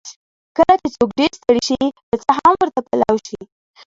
کله چې څوک ډېر ستړی شي، پېڅه هم ورته پلاو شي.